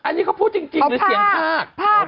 อันนี้เขาพูดจริงเลยเสียงพาก